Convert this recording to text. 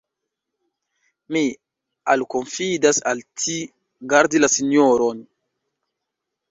Mi alkonfidas al ci, gardi la sinjoron.